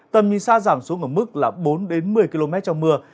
tầm nhìn xa giảm xuống ở mức là bốn đến một mươi km trong mưa